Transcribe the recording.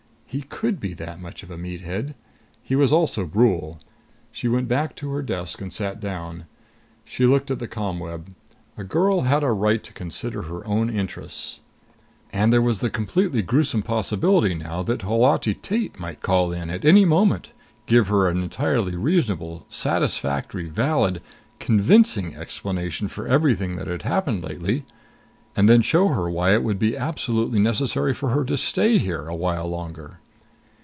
He could be that much of a meathead. He was also Brule. She went back to her desk and sat down. She looked at the ComWeb. A girl had a right to consider her own interests. And there was the completely gruesome possibility now that Holati Tate might call in at any moment, give her an entirely reasonable, satisfactory, valid, convincing explanation for everything that had happened lately and then show her why it would be absolutely necessary for her to stay here a while longer.